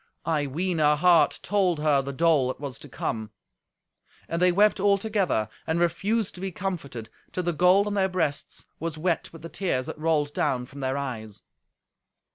I ween her heart told her the dole that was to come. And they wept all together, and refused to be comforted, till the gold on their breasts was wet with the tears that rolled down from their eyes.